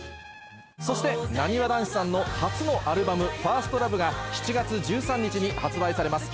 そしてなにわ男子さんの初のアルバム『１ｓｔＬｏｖｅ』が７月１３日に発売されます